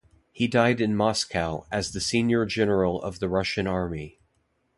He died in Moscow, as the senior General of the Russian Army.